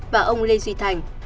và ông lê duy thành